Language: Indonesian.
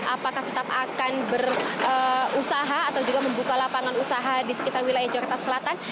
apakah tetap akan berusaha atau juga membuka lapangan usaha di sekitar wilayah jakarta selatan